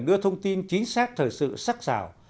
đưa thông tin chính xác thời sự sắc xảo